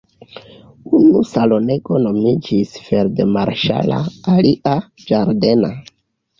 Unu salonego nomiĝis "feldmarŝala" alia "ĝardena".